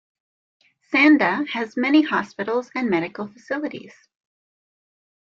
Sanda has many hospitals and medical facilities.